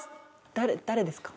誰誰ですか？